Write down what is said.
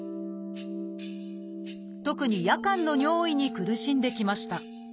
特に夜間の尿意に苦しんできました。